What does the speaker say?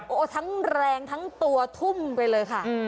โอ้ทั้งแรงตัวทุ่มไปเลยค่ะ